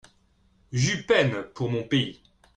J'eus peine pour mon pays.